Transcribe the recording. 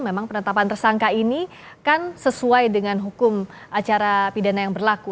memang penetapan tersangka ini kan sesuai dengan hukum acara pidana yang berlaku